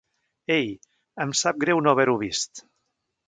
Ei, em sap greu no haver-ho vist.